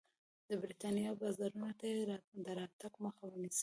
د برېټانیا بازارونو ته یې د راتګ مخه ونیسي.